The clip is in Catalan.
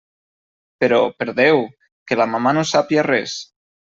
Però, per Déu!, que la mamà no sàpia res.